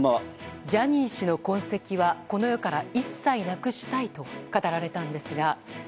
ジャニー氏の痕跡はこの世から一切なくしたいと語られたんですが。